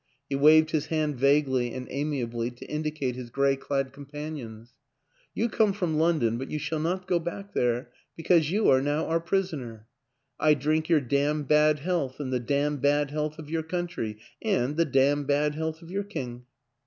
He waved his hand vaguely and amiably to indicate his gray clad companions. " You come from London, but you shall not go back there, because you are now our prisoners. I drink your damn bad health and the damn bad health of your coun try and the damn bad health of your king."